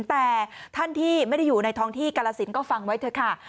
แต่ท่านที่ไม่ได้อยู่ในท้องที่กาลสินก็ฟังไว้เถอะค่ะ